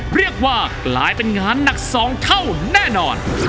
เรียกว่ากลายเป็นงานหนัก๒เท่าแน่นอน